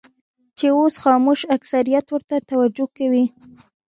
چې اوس خاموش اکثریت ورته توجه کوي.